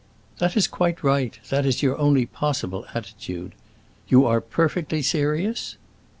"That is quite right—that is your only possible attitude. You are perfectly serious?"